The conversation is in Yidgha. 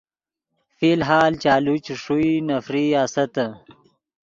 فی الحال چالو چے ݰوئی نفرئی آستّے۔